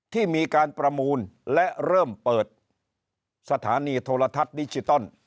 ที่มีการประมูลและเริ่มเปิดสถานีโทรทัศน์ดิจิตอล